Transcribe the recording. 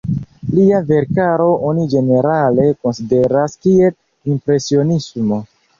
Lia verkaro oni ĝenerale konsideras kiel impresionismo.